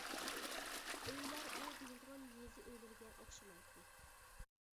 ئۆيلەر ئۇ بىلىدىغان يېزا ئۆيلىرىگە ئوخشىمايتتى.